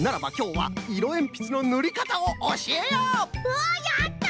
わっやった！